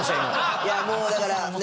いやもうだからね？